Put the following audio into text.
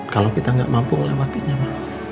kalau kita gak mampu melewatinya